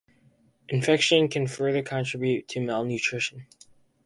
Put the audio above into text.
Infection can further contribute to malnutrition.